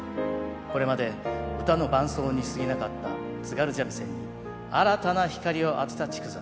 これまで唄の伴奏にすぎなかった津軽三味線に新たな光を当てた竹山。